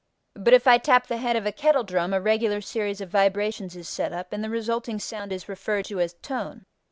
But if I tap the head of a kettle drum, a regular series of vibrations is set up and the resulting sound is referred to as tone.